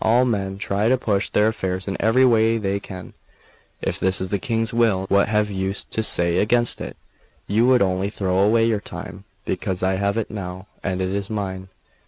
all men try to push their affairs in every way they can. If this is the King's will, what have you to say against it? You would only throw away your time, because I have it now, and it is mine.